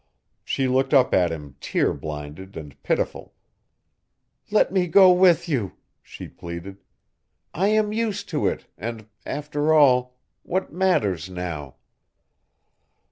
She looked up at him tear blinded and pitiful. "Let me go with you," she pleaded. "I am used to it, and after all what matters now?"